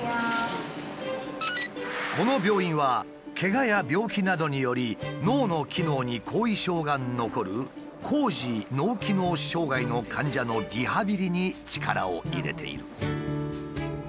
この病院はケガや病気などにより脳の機能に後遺症が残る「高次脳機能障害」の患者のリハビリに力を入れている。